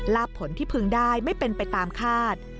ผลที่พึงได้ไม่เป็นไปตามคาด